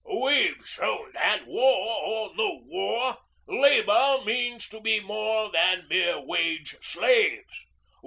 'We've shown that, war or no war, Labour means to be more than mere wage slaves.